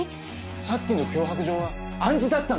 さっきの脅迫状は暗示だったんですかね？